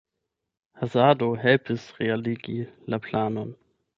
Hazardo helpis realigi la planon.